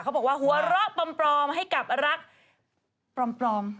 เขาบอกว่าหัวเราะปลอมให้กับรักปลอม